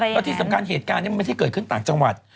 แล้วที่สำคัญเหตุการณ์นี้มันไม่ได้เกิดขึ้นต่างจังหวัด